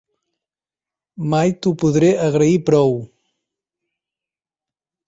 Mai t'ho podré agrair prou.